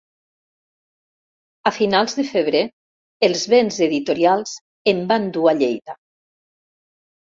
A finals de febrer els vents editorials em van dur a Lleida.